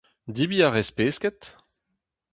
Debriñ a rez pesked ?